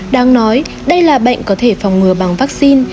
đáng nói đây là bệnh có thể phòng ngừa bằng vaccine